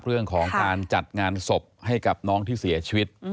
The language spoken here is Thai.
เรื่องของการจัดงานศพให้กับน้องที่เสียชีวิต